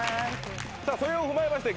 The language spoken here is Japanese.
さあそれを踏まえまして